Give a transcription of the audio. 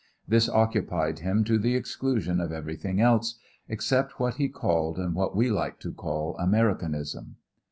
This occupied him to the exclusion of everything else, except what he called and what we like to call Americanism.